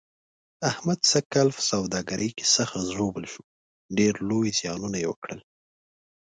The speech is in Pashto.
احمد سږ کال په سوداګرۍ کې سخت ژوبل شو، ډېر لوی زیانونه یې وکړل.